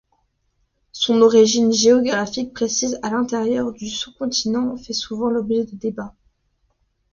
Son origine géographique précise à l'intérieur du sous-continent fait souvent l'objet de débats.